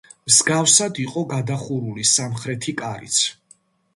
მსგავსად იყო გადახურული სამხრეთი კარიც.